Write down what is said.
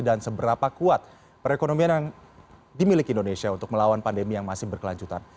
dan seberapa kuat perekonomian yang dimiliki indonesia untuk melawan pandemi yang masih berkelanjutan